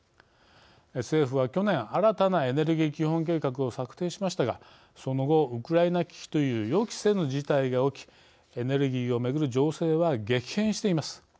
政府は去年新たなエネルギー基本計画を策定しましたがその後、ウクライナ危機という予期せぬ事態が起きエネルギーをめぐる情勢は激変しています。